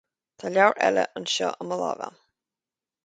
Tá leabhar eile anseo i mo láimh agam